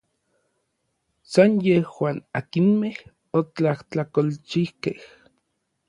San yejuan akinmej otlajtlakolchijkej.